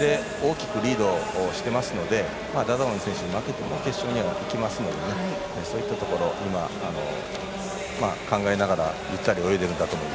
大きくリードしてますのでダダオン選手に負けても決勝にはいきますのでそういったところを考えながらゆったり泳いでいるんだと思います。